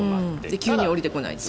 急には下りてこない。